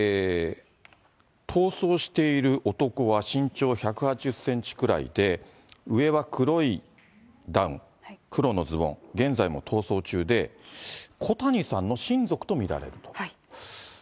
逃走している男は身長１８０センチくらいで、上は黒いダウン、黒のズボン、現在も逃走中で、こたにさんの親族と見られると。